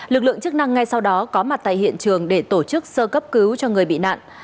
lực lượng chức năng ngay sau đó có mặt tại hiện trường để tổ chức sơ cấp cứu cho người bị nạn